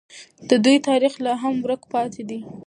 د دوی تاریخ لا هم ورک پاتې دی.